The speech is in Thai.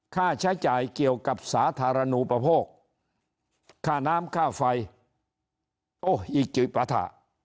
ค่าใช้จ่ายเกี่ยวกับสาธารณูปโภคค่าน้ำค่าไฟโอ้อิจิปะถะ